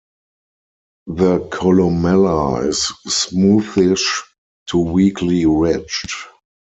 The columella is smoothish to weakly ridged.